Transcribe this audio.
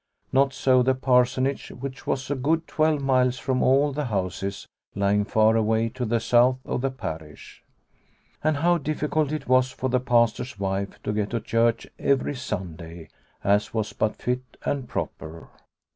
Not so the Parsonage, which was a good twelve miles from all the houses lying far away to the south of the parish. And how difficult it was for the Pastor's wife to get to church every Sunday, as was but fit and proper